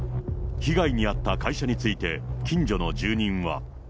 被害に遭った会社について、近所の住人は。